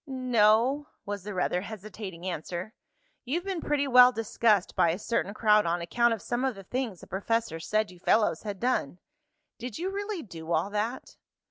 "No," was the rather hesitating answer. "You've been pretty well discussed by a certain crowd on account of some of the things the professor said you fellows had done. Did you really do all that?"